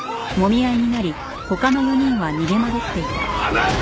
離せ！